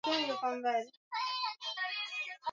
Maeneo mengi hivi karibuni yamekumbwa na uhaba wa petroli